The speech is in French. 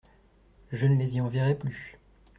Je ne les y enverrai plus.